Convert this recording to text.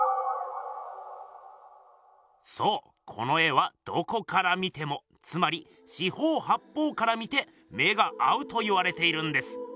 そうこの絵はどこから見てもつまり四方八方から見て目が合うといわれているんです。